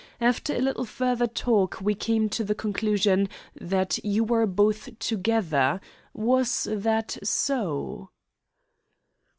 After a little further talk we came to the conclusion that you were both together. Was that so?"